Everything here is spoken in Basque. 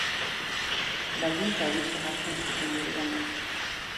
Baldintza horixe jartzen zuten liberalek.